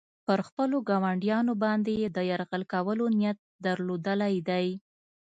پر خپلو ګاونډیانو باندې یې د یرغل کولو نیت درلودلی دی.